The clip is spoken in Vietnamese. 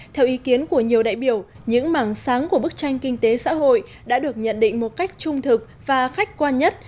theo ý kiến của nhiều đại biểu những mảng sáng của bức tranh kinh tế xã hội đã được nhận định một cách trung thực và khách quan nhất